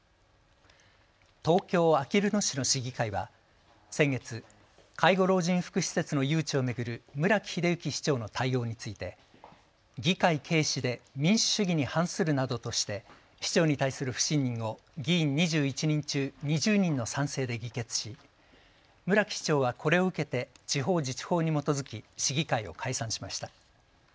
東京あきる野市の市議会は先月、介護老人福祉施設の誘致を巡る村木英幸市長の対応について、議会軽視で民主主義に反するなどとして市長に対する不信任を議員２１人中２０人の賛成で議決し、村木市長はこれを受けて地方自治法に基づき市議会を解散しました。